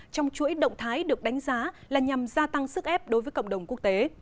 trong chuỗi động thái được đánh giá là nhằm gia tăng sức ép đối với cộng đồng quốc tế